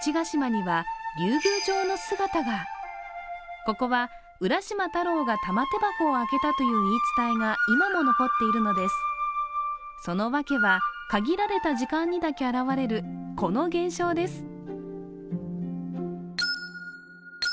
島には竜宮城の姿がここは浦島太郎が玉手箱を開けたという言い伝えが今も残っているのです、そのわけは限られた時間にだけ現れるこの現象です。